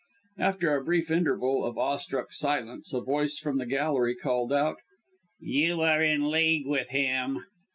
After a brief interval of awestruck silence a voice from the gallery called out "You are in league with him!"